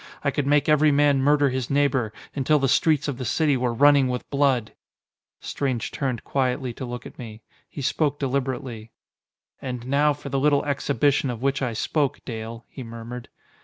I could make every man murder his neighbor, until the streets of the city were running with blood!" Strange turned quietly to look at me. He spoke deliberately. "And now for the little exhibition of which I spoke, Dale," he murmured.